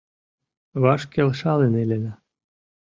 Ваш келшалын илена.